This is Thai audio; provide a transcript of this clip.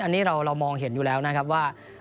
อันนี้เรามองเห็นอยู่แล้วนะครับว่า